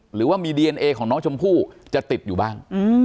หรือว่ามีดีเอนเอของน้องชมพู่จะติดอยู่บ้าง